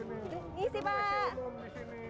ini sih pak